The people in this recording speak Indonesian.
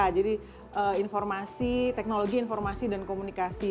jadi teknologi informasi dan komunikasi